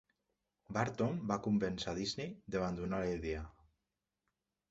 Burton va convèncer a Disney d'abandonar la idea.